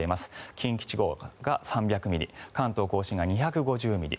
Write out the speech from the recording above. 近畿地方が３００ミリ関東・甲信が２５０ミリ